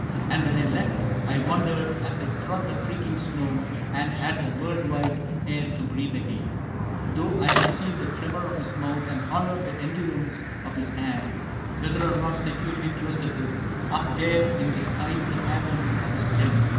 And when I left, I wondered, as I trod the creaking snow And had the world wide air to breathe again, — Though I had seen the tremor of his mouth And honored the endurance of his hand — Whether or not, securely closeted Up there in the stived haven of his den.